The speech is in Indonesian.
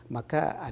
maka ada perkembangan